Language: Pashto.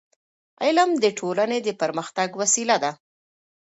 علم د ټولنې د پرمختګ وسیله ده.